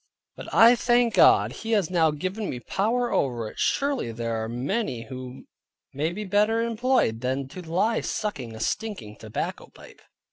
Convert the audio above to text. But I thank God, He has now given me power over it; surely there are many who may be better employed than to lie sucking a stinking tobacco pipe.